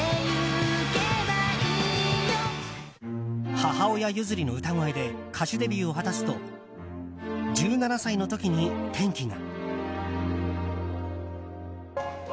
母親譲りの歌声で歌手デビューを果たすと１７歳の時に転機が。